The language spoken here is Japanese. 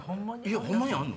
ホンマにあんの？